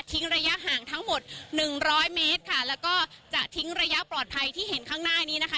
ระยะห่างทั้งหมดหนึ่งร้อยเมตรค่ะแล้วก็จะทิ้งระยะปลอดภัยที่เห็นข้างหน้านี้นะคะ